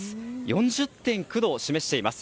４０．９度を示しています。